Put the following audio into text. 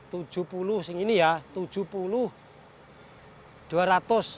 dulu ini sampai tujuh puluh dua ratus per tujuh puluh